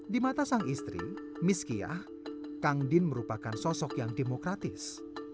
di mata sang istri miskiah kang din merupakan sosok yang demokratis